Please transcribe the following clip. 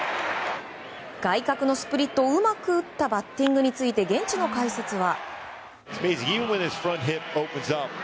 外角のスプリットをうまく打ったバッティングについて現地の解説は。